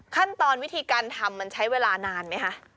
ขั้นตอนวิธีการทำมันใช้เวลานานไหมคะ